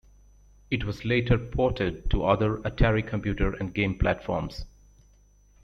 It was later ported to other Atari computer and game platforms.